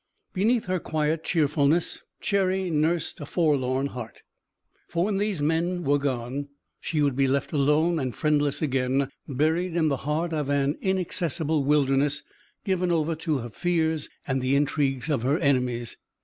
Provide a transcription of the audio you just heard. Beneath her quiet cheerfulness, Cherry nursed a forlorn heart; for when these men were gone she would be left alone and friendless again, buried in the heart of an inaccessible wilderness, given over to her fears and the intrigues of her enemies.